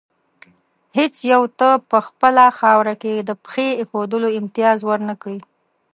هېڅ یو ته په خپله خاوره کې د پښې ایښودلو امتیاز ور نه کړي.